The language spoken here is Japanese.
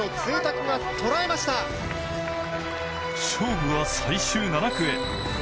勝負は最終７区へ。